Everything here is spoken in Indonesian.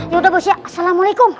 yaudah bos ya assalamualaikum